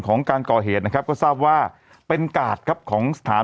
ของการก่อเหตุนะครับก็ทราบว่าเป็นกาดครับของสถาน